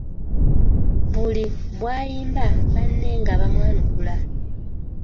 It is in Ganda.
Buli bw'ayimba banne nga bamwanukula.